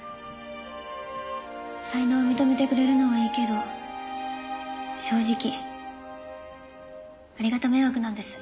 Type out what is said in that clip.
才能を認めてくれるのはいいけど正直ありがた迷惑なんです。